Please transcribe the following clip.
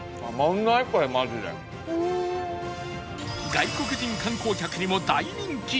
外国人観光客にも大人気